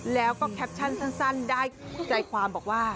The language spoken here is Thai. แล้วก็แคปชั่นสั้นได้ใจความบอกว่า